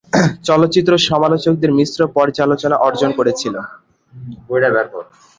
চলচ্চিত্র সমালোচকদের মিশ্র পর্যালোচনা অর্জন করেছিল।